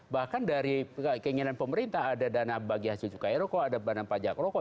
bahkan dari keinginan pemerintah ada dana bagi hasil cukai rokok ada dana pajak rokok